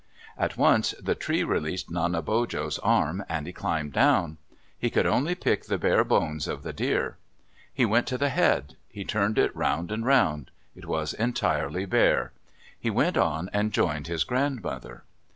At once the tree released Nanebojo's arm, and he climbed down. He could only pick the bare bones of the deer. He went to the head. He turned it round and round. It was entirely bare. He went on and joined his grandmother.